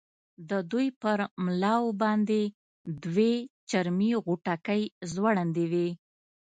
د دوی پر ملاو باندې دوې چرمي غوټکۍ ځوړندې وې.